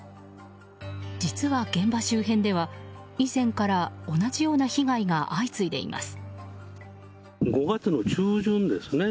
実は現場周辺では、以前から同じような被害が相次いでいます。